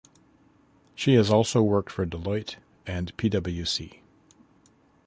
She has also worked for Deloitte and PwC.